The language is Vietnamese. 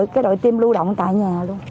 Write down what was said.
cái đội tiêm lưu động tại nhà luôn